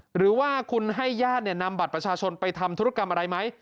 หรือว่าคุณให้ญาตินำบัตรประชาชนไปทำธุรกรรมอะไรไหม